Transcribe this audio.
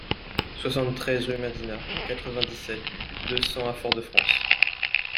soixante-treize rue Madinina, quatre-vingt-dix-sept, deux cents à Fort-de-France